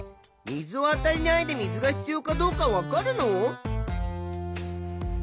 水をあたえないで水が必要かどうかわかるの？